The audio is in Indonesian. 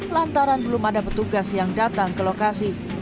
lantaran belum ada petugas yang datang ke lokasi